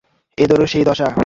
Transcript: এদেরও সেই দশা।